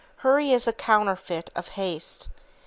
Hurry is a counterfeit of haste.